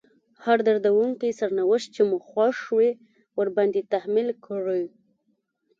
هر دردونکی سرنوشت چې مو خوښ وي ورباندې تحميل کړئ.